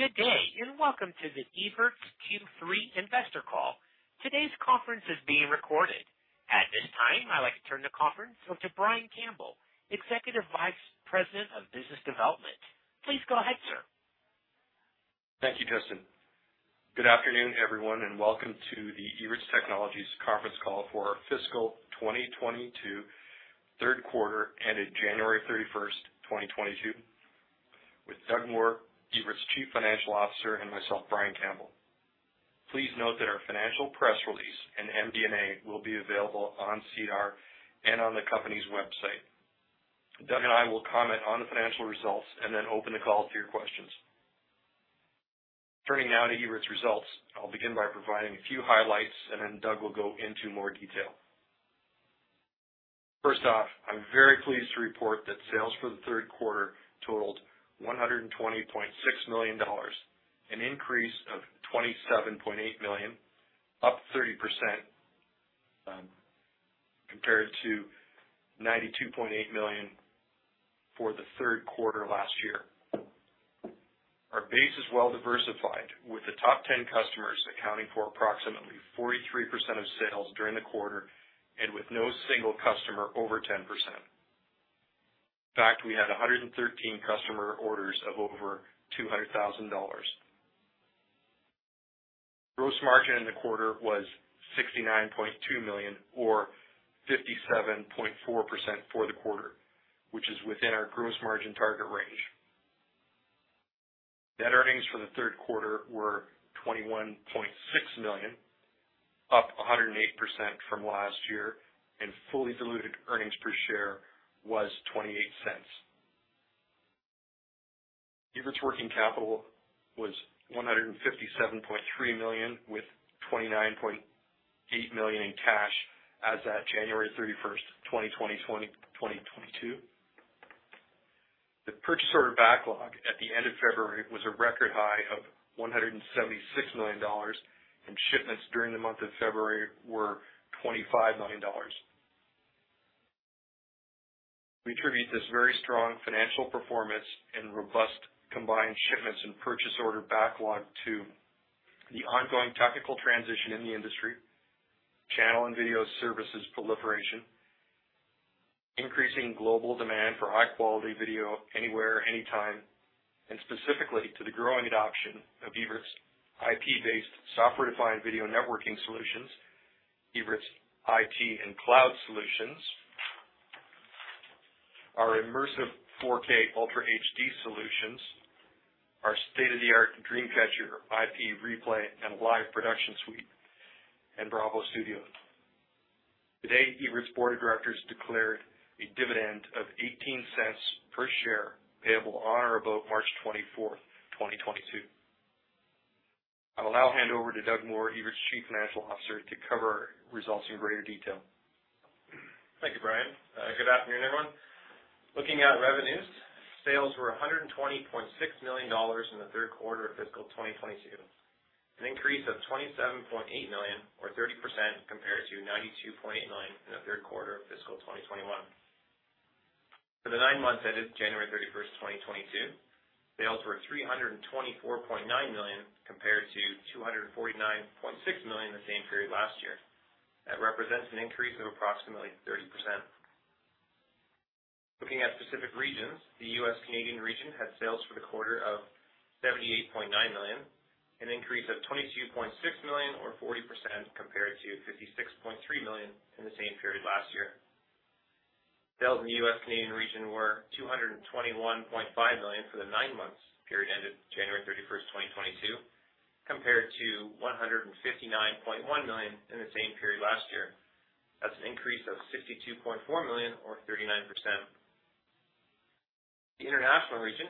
Good day, and welcome to the Evertz Q3 investor call. Today's conference is being recorded. At this time, I'd like to turn the conference over to Brian Campbell, Executive Vice President of Business Development. Please go ahead, sir. Thank you, Justin. Good afternoon, everyone, and welcome to the Evertz Technologies conference call for our fiscal 2022 third quarter ended January 31, 2022, with Doug Moore, Evertz Chief Financial Officer, and myself, Brian Campbell. Please note that our financial press release and MD&A will be available on SEDAR and on the company's website. Doug and I will comment on the financial results and then open the call to your questions. Turning now to Evertz results, I'll begin by providing a few highlights, and then Doug will go into more detail. First off, I'm very pleased to report that sales for the third quarter totaled 120.6 million dollars, an increase of 27.8 million, up 30%, compared to 92.8 million for the third quarter last year. Our base is well diversified, with the top 10 customers accounting for approximately 43% of sales during the quarter and with no single customer over 10%. In fact, we had 113 customer orders of over 200,000 dollars. Gross margin in the quarter was 69.2 million or 57.4% for the quarter, which is within our gross margin target range. Net earnings for the third quarter were 21.6 million, up 108% from last year, and fully diluted earnings per share was 0.28. Evertz working capital was 157.3 million, with 29.8 million in cash as at January 31st, 2022. The purchase order backlog at the end of February was a record high of 176 million dollars, and shipments during the month of February were 25 million dollars. We attribute this very strong financial performance and robust combined shipments and purchase order backlog to the ongoing technical transition in the industry, channel and video services proliferation, increasing global demand for high-quality video anywhere, anytime, and specifically to the growing adoption of Evertz IP-based software-defined video networking solutions, Evertz IT and cloud solutions, our immersive 4K Ultra HD solutions, our state-of-the-art DreamCatcher IP replay and live production suite, and Bravo Studio. Today, Evertz Board of Directors declared a dividend of 0.18 per share payable on or about March 24, 2022. I'll now hand over to Doug Moore, Evertz Chief Financial Officer, to cover results in greater detail. Thank you, Brian. Good afternoon, everyone. Looking at revenues, sales were 120.6 million dollars in the third quarter of fiscal 2022, an increase of 27.8 million or 30% compared to 92.8 million in the third quarter of fiscal 2021. For the nine months ended January 31st, 2022, sales were 324.9 million compared to 249.6 million the same period last year. That represents an increase of approximately 30%. Looking at specific regions, the U.S.-Canadian region had sales for the quarter of 78.9 million, an increase of 22.6 million or 40% compared to 56.3 million in the same period last year. Sales in the U.S.-Canadian region were 221.5 million for the nine months period ended January 31st, 2022, compared to 159.1 million in the same period last year. That's an increase of 62.4 million or 39%. The international region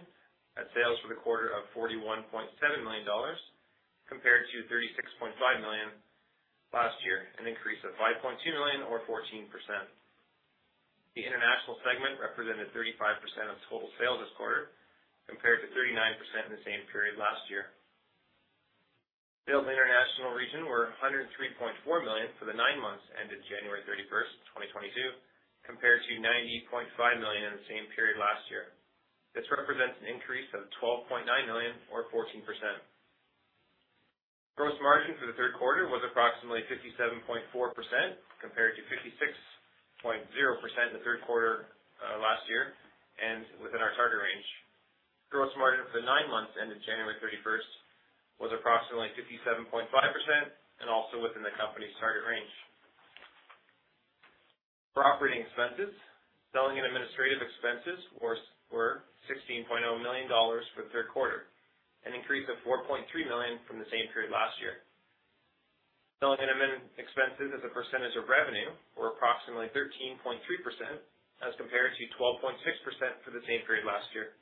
had sales for the quarter of 41.7 million dollars compared to 36.5 million last year, an increase of 5.2 million or 14%. The international segment represented 35% of total sales this quarter, compared to 39% in the same period last year. Sales in the international region were 103.4 million for the nine months ended January 31st, 2022, compared to 90.5 million in the same period last year. This represents an increase of 12.9 million or 14%. Gross margin for the third quarter was approximately 57.4% compared to 56.0% in the third quarter last year, and within our target range. Gross margin for the nine months ended January 31st was approximately 57.5% and also within the company's target range. For operating expenses, selling and administrative expenses were 16.0 million dollars for the third quarter, an increase of 4.3 million from the same period last year. Selling and admin expenses as a percentage of revenue were approximately 13.3% as compared to 12.6% for the same period last year.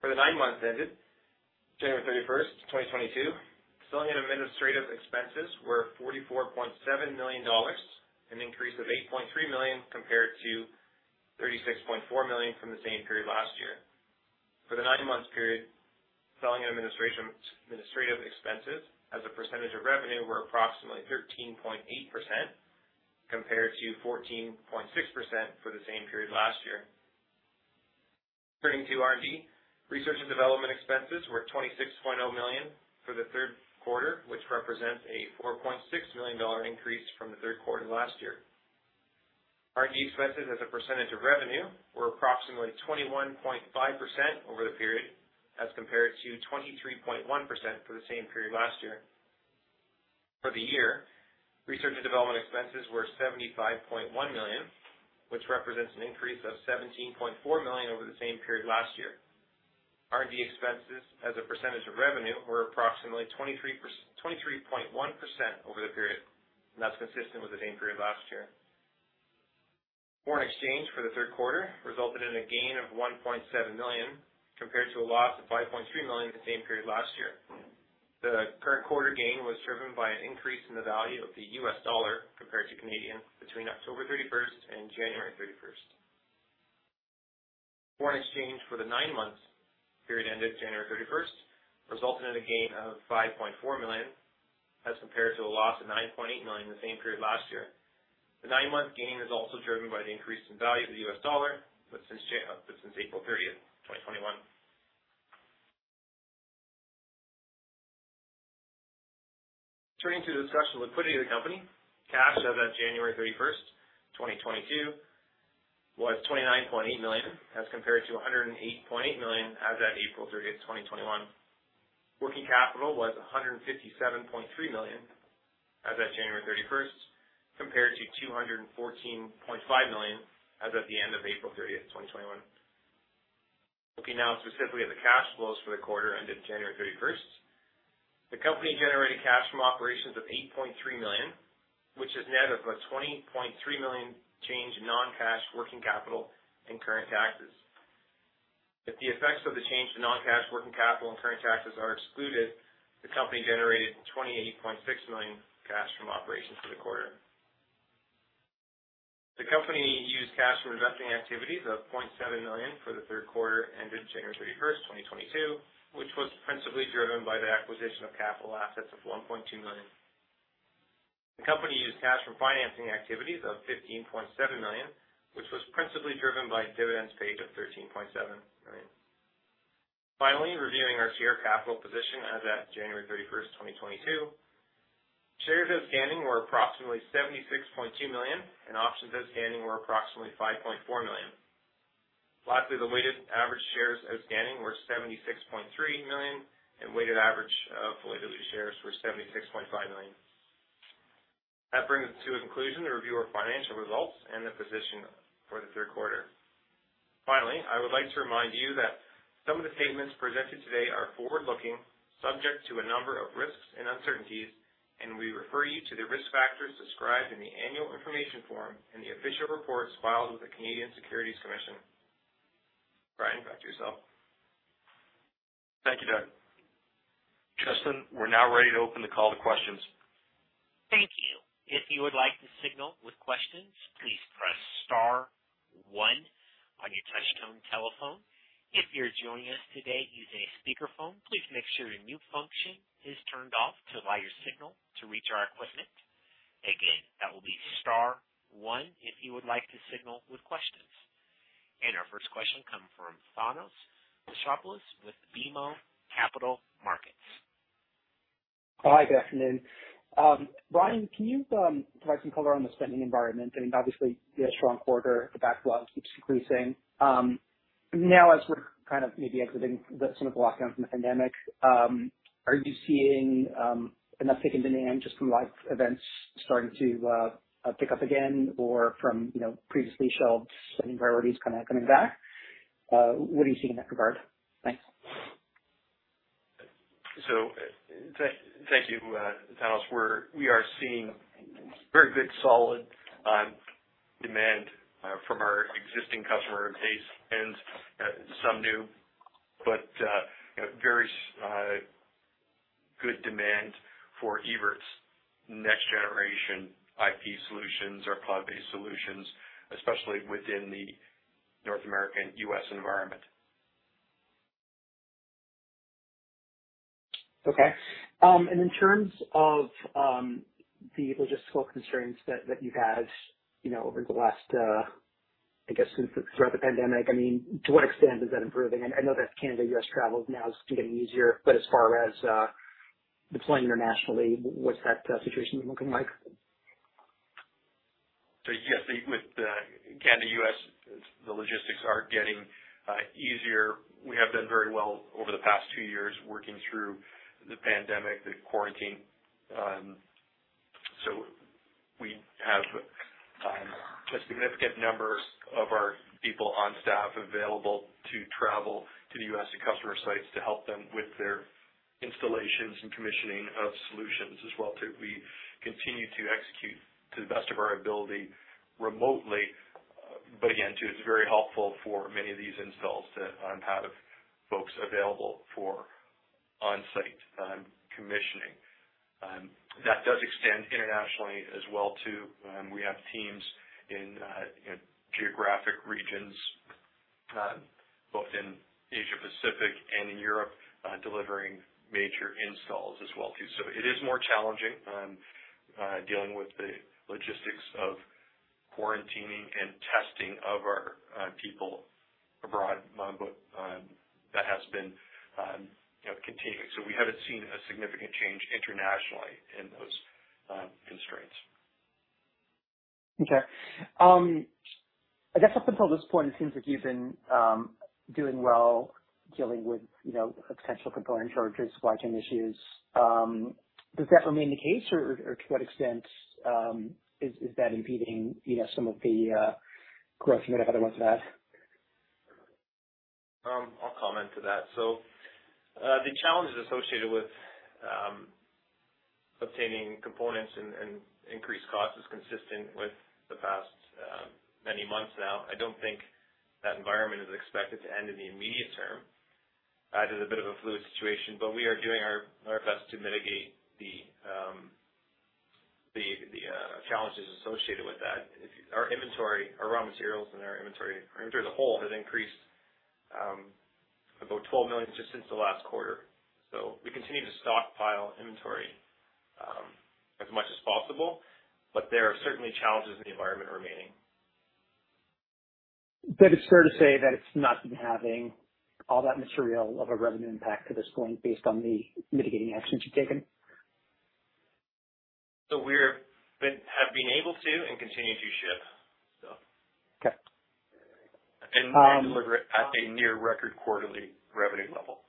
For the nine months ended January 31st, 2022, selling and administrative expenses were 44.7 million dollars, an increase of 8.3 million compared to 36.4 million from the same period last year. For the nine months period, selling and administrative expenses as a percentage of revenue were approximately 13.8% compared to 14.6% for the same period last year. Turning to R&D, research and development expenses were 26.0 million for the third quarter, which represents a 4.6 million dollar increase from the third quarter last year. R&D expenses as a percentage of revenue were approximately 21.5% over the period, as compared to 23.1% for the same period last year. For the year, research and development expenses were 75.1 million, which represents an increase of 17.4 million over the same period last year. R&D expenses as a percentage of revenue were approximately 23.1% over the period, and that's consistent with the same period last year. Foreign exchange for the third quarter resulted in a gain of 1.7 million, compared to a loss of 5.3 million in the same period last year. The current quarter gain was driven by an increase in the value of the U.S. dollar compared to Canadian between October 31st and January 31st. Foreign exchange for the nine-month period ended January 31st resulted in a gain of 5.4 million, as compared to a loss of 9.8 million in the same period last year. The nine-month gain is also driven by the increase in value of the U.S. dollar, but since April 30th, 2021. Turning to the discussion of liquidity of the company, cash as at January 31st, 2022 was 29.8 million, as compared to 108.8 million as at April 30th, 2021. Working capital was 157.3 million as at January 31st, compared to 214.5 million as at the end of April 30th, 2021. Looking now specifically at the cash flows for the quarter ended January 31st, the company generated cash from operations of 8.3 million, which is net of a 20.3 million change in non-cash working capital and current taxes. If the effects of the change to non-cash working capital and current taxes are excluded, the company generated 28.6 million cash from operations for the quarter. The company used cash from investing activities of 0.7 million for the third quarter ended January 31st, 2022, which was principally driven by the acquisition of capital assets of 1.2 million. The company used cash from financing activities of 15.7 million, which was principally driven by dividends paid of 13.7 million. Finally, reviewing our share capital position as at January 31st, 2022, shares outstanding were approximately 76.2 million, and options outstanding were approximately 5.4 million. Lastly, the weighted average shares outstanding were 76.3 million, and weighted average of fully dilute shares were 76.5 million. That brings us to a conclusion of the review of our financial results and the position for the third quarter. Finally, I would like to remind you that some of the statements presented today are forward-looking, subject to a number of risks and uncertainties, and we refer you to the risk factors described in the annual information form in the official reports filed with the Canadian Securities Administrators. Brian, back to yourself. Thank you, Doug. Justin, we're now ready to open the call to questions. Thank you. If you would like to signal with questions, please press star one on your touchtone telephone. If you're joining us today using a speakerphone, please make sure your mute function is turned off to allow your signal to reach our equipment. Again, that will be star one if you would like to signal with questions. Our first question comes from Thanos Moschopoulos with BMO Capital Markets. Hi, good afternoon. Brian, can you provide some color on the spending environment? I mean, obviously, you had a strong quarter. The backlog keeps increasing. Now as we're kind of maybe exiting some of the lockdowns from the pandemic, are you seeing an uptick in demand just from, like, events starting to pick up again or from, you know, previously shelved spending priorities kinda coming back? What are you seeing in that regard? Thanks. Thank you, Thanos. We are seeing very good solid demand from our existing customer base and some new. You know, very good demand for Evertz next generation IP solutions or cloud-based solutions, especially within the North American U.S. environment. Okay. In terms of the logistical constraints that you've had, you know, over the last, throughout the pandemic, I mean, to what extent is that improving? I know that Canada-U.S. travel is now getting easier, but as far as deploying internationally, what's that situation looking like? Yes, with the Canada-U.S., the logistics are getting easier. We have done very well over the past two years working through the pandemic, the quarantine. We have a significant number of our people on staff available to travel to the U.S. and customer sites to help them with their installations and commissioning of solutions as well, too. We continue to execute to the best of our ability remotely. Again, too, it's very helpful for many of these installs to have folks available for on-site commissioning. That does extend internationally as well too. We have teams in geographic regions, both in Asia Pacific and in Europe, delivering major installs as well too. It is more challenging dealing with the logistics of quarantining and testing of our people abroad. That has been, you know, continuing. We haven't seen a significant change internationally in those constraints. Okay. I guess up until this point, it seems like you've been doing well dealing with, you know, potential component shortages, supply chain issues. Does that remain the case or to what extent is that impeding, you know, some of the growth you might have otherwise had? I'll comment to that. The challenges associated with obtaining components and increased costs is consistent with the past many months now. I don't think that environment is expected to end in the immediate term. It is a bit of a fluid situation, but we are doing our best to mitigate the challenges associated with that. Our inventory, our raw materials, and our inventory as a whole has increased about 12 million just since the last quarter. We continue to stockpile inventory as much as possible, but there are certainly challenges in the environment remaining. It's fair to say that it's not been having all that material of a revenue impact to this point based on the mitigating actions you've taken? We have been able to and continue to ship. Okay. Deliver at a near record quarterly revenue level.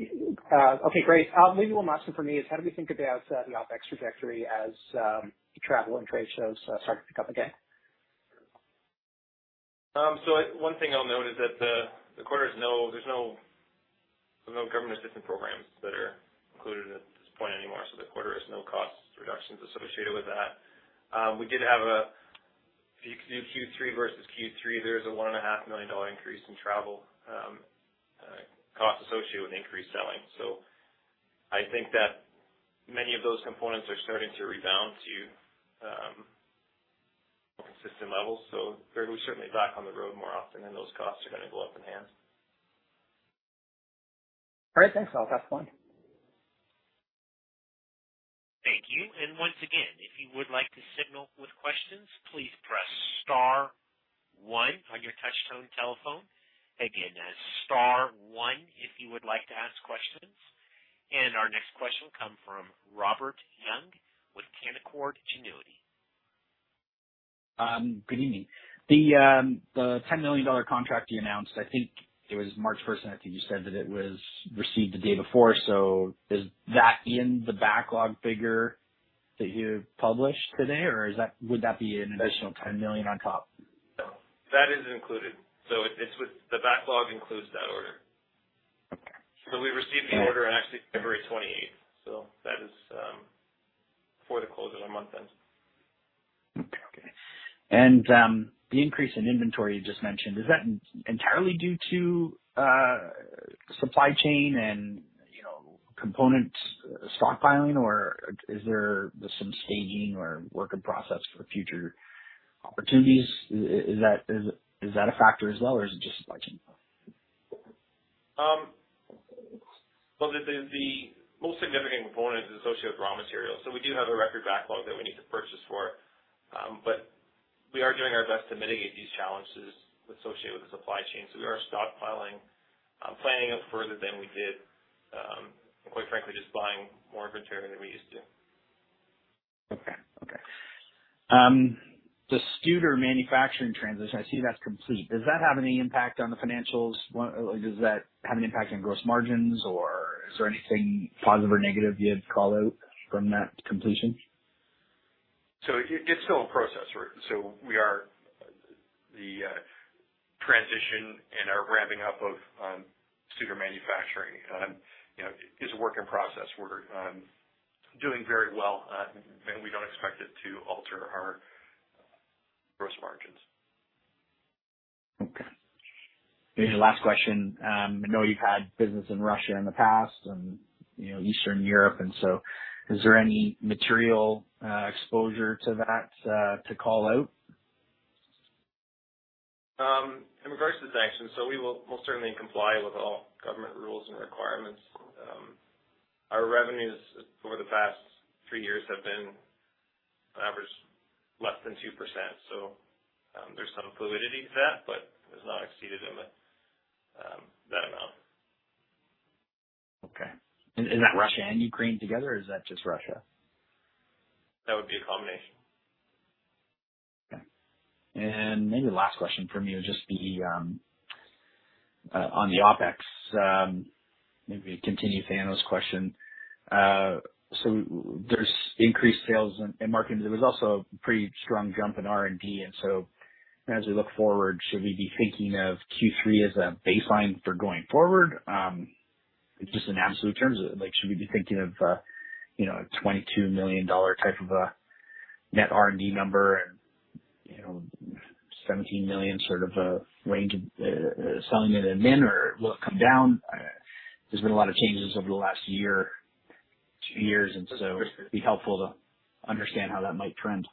Okay, great. Maybe one last one from me is how do we think about the OpEx trajectory as travel and trade shows start to pick up again? One thing I'll note is that there's no government assistance programs that are included at this point anymore, so the quarter has no cost reductions associated with that. If you do Q3 versus Q3, there is a 1.5 million dollar increase in travel cost associated with increased selling. I think that many of those components are starting to rebalance to more consistent levels. We're certainly back on the road more often, and those costs are gonna go up in hand. All right. Thanks. That's last one. Thank you. Once again, if you would like to signal with questions, please press star one on your touchtone telephone. Again, that's star one if you would like to ask questions. Our next question comes from Robert Young with Canaccord Genuity. Good evening. The 10 million dollar contract you announced, I think it was March first, and I think you said that it was received the day before. Is that in the backlog figure that you published today, or would that be an additional 10 million on top? No, that is included. It's with the backlog. The backlog includes that order. Okay. We received the order on actually February 28th, so that is before the close of the month then. The increase in inventory you just mentioned, is that entirely due to supply chain and, you know, component stockpiling or is there some staging or work in process for future opportunities? Is that a factor as well or is it just supply chain? Well, the most significant component is associated with raw materials. We do have a record backlog that we need to purchase for, but we are doing our best to mitigate these challenges associated with the supply chain. We are stockpiling, planning out further than we did, and quite frankly, just buying more inventory than we used to. Okay. The Studer manufacturing transition, I see that's complete. Does that have any impact on the financials? Does that have an impact on gross margins, or is there anything positive or negative you'd call out from that completion? It's still a process, right? The transition and our ramping up of Studer manufacturing, you know, is a work in process. We're doing very well, and we don't expect it to alter our gross margins. Okay. Maybe the last question. I know you've had business in Russia in the past and, you know, Eastern Europe, and so is there any material exposure to that to call out? In regards to the sanctions, we'll certainly comply with all government rules and requirements. Our revenues over the past three years have been on average less than 2%. There's some fluidity to that, but it's not exceeded in the, that amount. Okay. Is that Russia and Ukraine together, or is that just Russia? That would be a combination. Okay. Maybe the last question from me would just be on the OpEx. Maybe continue Thanos' question. So there's increased sales and marketing. There was also a pretty strong jump in R&D. As we look forward, should we be thinking of Q3 as a baseline for going forward? Just in absolute terms, like should we be thinking of you know, a 22 million dollar type of a net R&D number and you know, 17 million sort of a range of SG&A then or will it come down? There's been a lot of changes over the last year, two years, and so it'd be helpful to understand how that might trend.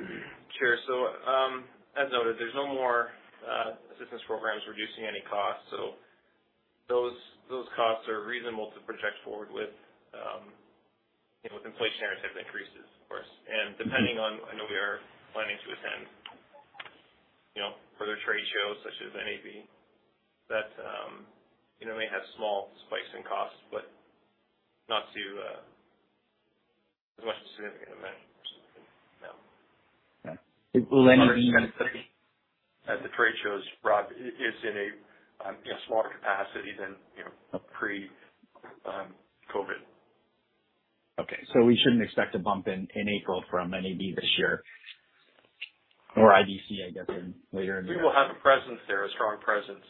Sure. As noted, there's no more assistance programs reducing any costs. Those costs are reasonable to project forward with, you know, with inflationary type increases, of course. I know we are planning to attend, you know, further trade shows such as NAB that may have small spikes in costs, but not to as much as significant event or something, no. Yeah. Our expense at the trade shows, Rob, is in a smaller capacity than pre-COVID. Okay. We shouldn't expect a bump in April from NAB this year or IBC, I guess, later in the year. We will have a presence there, a strong presence,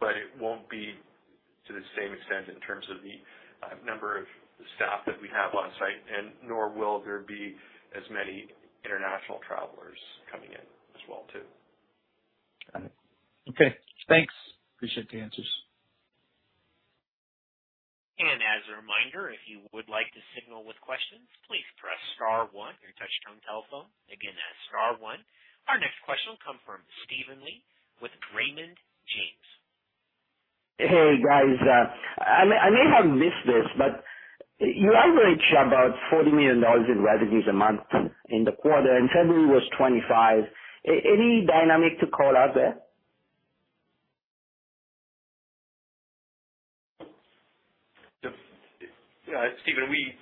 but it won't be to the same extent in terms of the number of staff that we have on site, and nor will there be as many international travelers coming in as well too. Got it. Okay. Thanks. I appreciate the answers. As a reminder, if you would like to signal with questions, please press star one on your touchtone telephone. Again, that's star one. Our next question will come from Steven Li with Raymond James. Hey, guys. I may have missed this, but you average about 40 million dollars in revenues a month in the quarter, and February was 25 million. Any dynamic to call out there? Yeah, Steven, we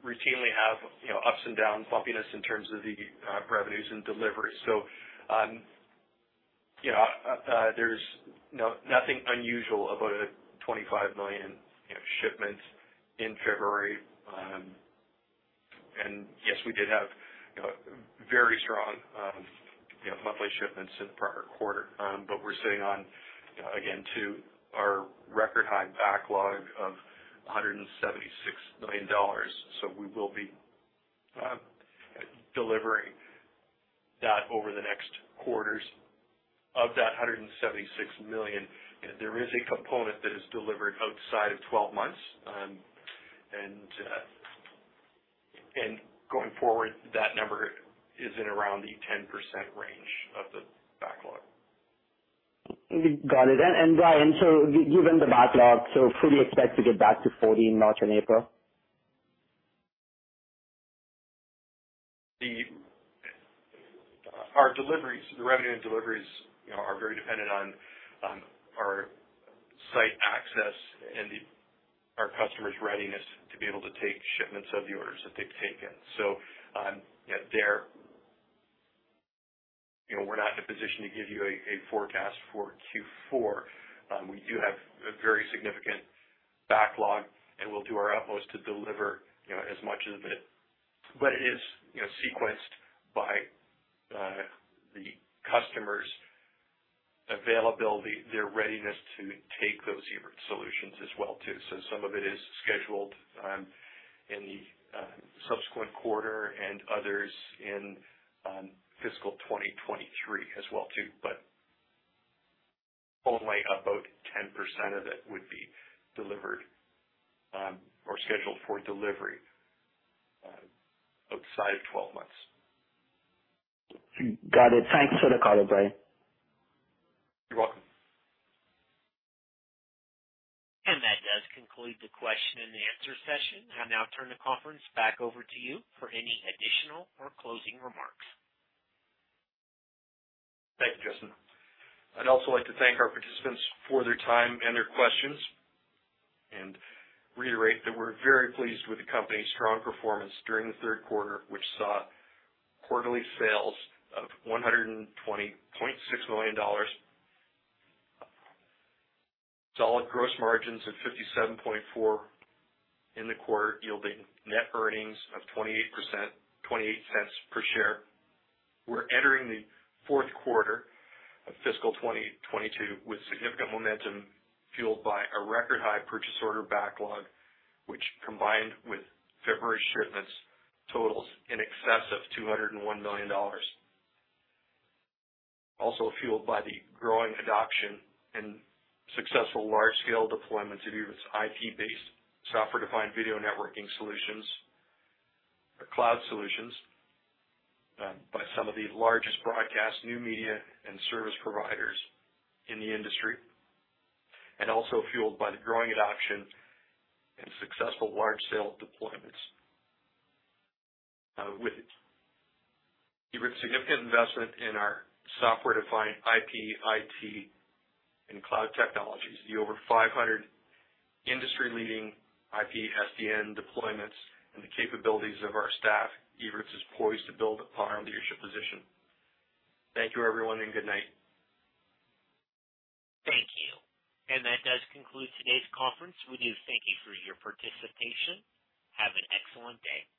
routinely have ups and downs, bumpiness in terms of the revenues and deliveries. You know, there's nothing unusual about a 25 million shipment in February. You know, and yes, we did have, you know, very strong monthly shipments in the prior quarter. But we're sitting on, again, our record high backlog of 176 million dollars. We will be delivering that over the next quarters. Of that 176 million, there is a component that is delivered outside of 12 months. And going forward, that number is in around the 10% range of the backlog. Got it. Brian, so given the backlog, so fully expect to get back to 40 in March and April? Our deliveries, the revenue and deliveries, you know, are very dependent on our site access and our customer's readiness to be able to take shipments of the orders that they've taken. You know, we're not in a position to give you a forecast for Q4. We do have a very significant backlog, and we'll do our utmost to deliver, you know, as much of it. It is, you know, sequenced by the customer's availability, their readiness to take those Evertz solutions as well too. Some of it is scheduled in the subsequent quarter and others in fiscal 2023 as well too. Only about 10% of it would be delivered or scheduled for delivery outside of 12 months. Got it. Thanks for the call, Brian. You're welcome. That does conclude the question and answer session. I'll now turn the conference back over to you for any additional or closing remarks. Thank you, Justin. I'd also like to thank our participants for their time and their questions, and reiterate that we're very pleased with the company's strong performance during the third quarter, which saw quarterly sales of CAD 120.6 million. Solid gross margins of 57.4% in the quarter, yielding net earnings of 28%, 0.28 per share. We're entering the fourth quarter of fiscal 2022 with significant momentum fueled by a record high purchase order backlog, which combined with February shipments, totals in excess of 201 million dollars. Also fueled by the growing adoption and successful large scale deployments of Evertz IP-based software-defined video networking solutions, our cloud solutions, by some of the largest broadcast new media and service providers in the industry, and also fueled by the growing adoption and successful large scale deployments, with Evertz's significant investment in our software-defined IP, IT, and cloud technologies, the over 500 industry-leading IP SDN deployments and the capabilities of our staff, Evertz is poised to build upon our leadership position. Thank you, everyone, and good night. Thank you. That does conclude today's conference. We do thank you for your participation. Have an excellent day.